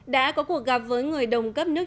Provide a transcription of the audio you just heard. đã có cuộc gặp với người đồng cấp nước